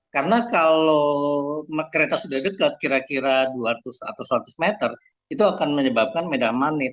karena kalau kereta sudah dekat kira kira dua ratus atau seratus meter itu akan menyebabkan medan magnet